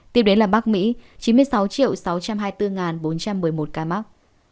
tiếp đến là bắc mỹ chín mươi sáu sáu trăm hai mươi bốn bốn trăm một mươi một ca mắc